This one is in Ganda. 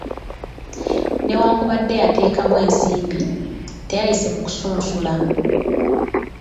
Newankubadde yateekamu ensimbi, teyayise mu kusunsula.